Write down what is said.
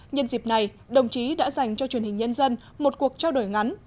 nhân dịp này đồng chí đã dành cho truyền hình nhân dân một cuộc trao đổi ngắn